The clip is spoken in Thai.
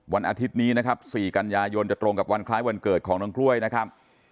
วันอาทิตย์นี้นะครับ๔กันยายนจะตรงกับวันคล้ายวันเกิดของน้องกล้วยนะครับ